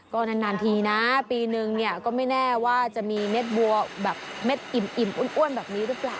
ก็นานทีนะปีนึงเนี่ยก็ไม่แน่ว่าจะมีเม็ดบัวแบบเม็ดอิ่มอ้วนแบบนี้หรือเปล่า